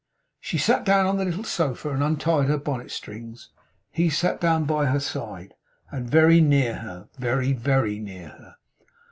She sat down on the little sofa, and untied her bonnet strings. He sat down by her side, and very near her; very, very near her.